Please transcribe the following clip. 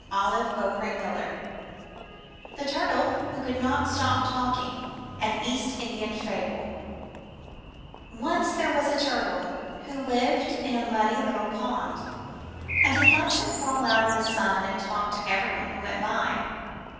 221 MY BOOK HOUSE THE TURTLE WHO COULD NOT STOP TALKING An East Indian Fable Once there was a Turtle who lived in a muddy little pond, and he loved to crawl out in the sun and talk to everyone who went by.